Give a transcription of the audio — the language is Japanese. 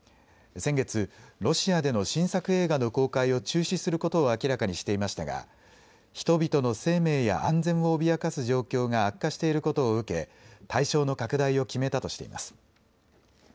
先月、ロシアでの新作映画の公開を中止することを明らかにしていましたが人々の生命や安全を脅かす状況が悪化していることを受け対象の拡大を決めたとしています。